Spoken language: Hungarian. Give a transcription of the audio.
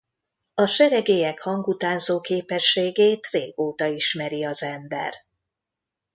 A seregélyek hangutánzó képességét régóta ismeri az ember.